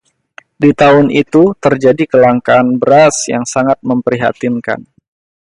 Di tahun itu terjadi kelangkaan beras yang sangat memprihatinkan.